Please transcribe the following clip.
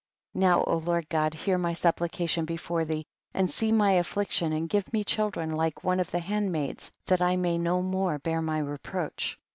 20. Now O Lord God, hear my supplication before thee, and see my affliction, and give me children like one of the handmaids, that I may no more bear my reproach.